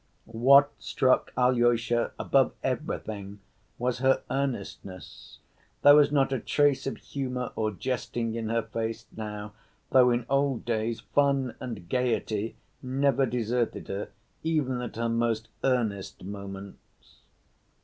What struck Alyosha above everything was her earnestness. There was not a trace of humor or jesting in her face now, though, in old days, fun and gayety never deserted her even at her most "earnest" moments.